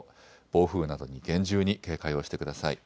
暴風などに厳重に警戒をしてください。